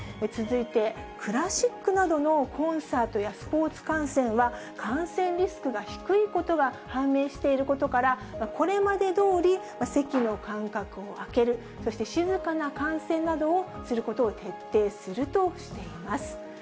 続いて、クラシックなどのコンサートやスポーツ観戦は、感染リスクが低いことが判明していることから、これまでどおり、席の間隔を空ける、そして静かな観戦などをすることを徹底するとしています。